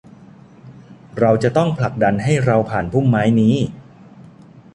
เราจะต้องผลักดันให้เราผ่านพุ่มไม้นี้